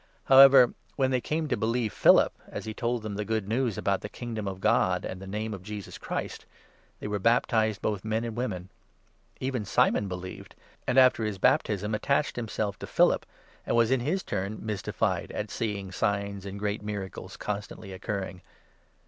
However, when they came to believe Philip, as he told them the Good News about the Kingdom of God and the Name of Jesus Christ, they were baptized, both men and women. Even Simon believed, and after his baptism attached himself to Philip, and was in his turn mystified at seeing signs and great miracles constantly occurring.